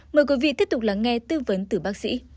mời quý vị tiếp tục lắng nghe tư vấn từ bác sĩ